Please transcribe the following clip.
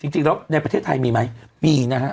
จริงแล้วในประเทศไทยมีไหมมีนะฮะ